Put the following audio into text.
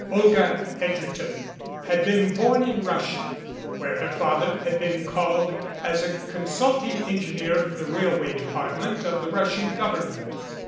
Olga Egerton had been born in Russia, where her father had been called as consulting engineer of the railway de partment of the Russian Government.